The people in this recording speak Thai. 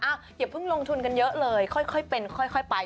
อย่าเพิ่งลงทุนกันเยอะเลยค่อยเป็นค่อยไป